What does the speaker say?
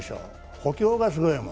補強がすごいもん。